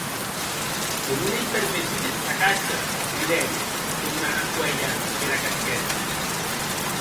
Que non ei permetut eth sacatge, cridèc, tornant a cuélher era casqueta.